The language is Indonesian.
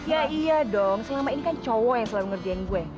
ya iya dong selama ini kan cowok yang selalu ngerjain gue